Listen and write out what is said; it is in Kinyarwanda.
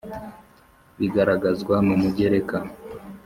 bigaragazwa mu Mugereka